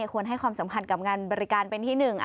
ควรให้ความสำคัญกับงานบริการเป็นที่หนึ่ง